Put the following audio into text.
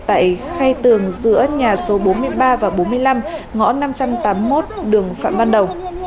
tại khay tường giữa nhà số bốn mươi ba và bốn mươi năm ngõ năm trăm tám mươi một đường phạm ban đầu